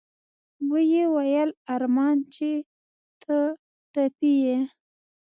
ويې ويل ارمان چې ته ټپي يې.